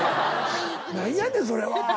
何やねんそれは！